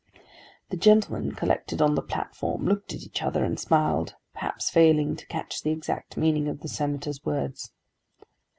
The gentlemen collected on the platform looked at each other and smiled, perhaps failing to catch the exact meaning of the Senator's words.